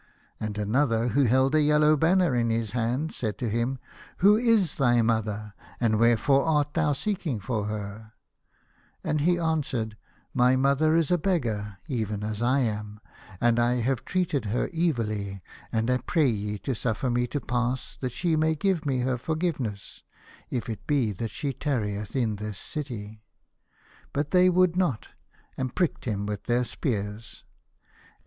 And another, who held a yellow banner in his hand, said to him, " Who is thy mother, and wherefore art thou seeking for her ?" And he answered, "My mother is a beggar even as I am, and I have treated her evilly, and I pray ye to suffer me to pass that she may give me her forgiveness, if it be that she tarrieth in this city." But they would not, and pricked him with their spears.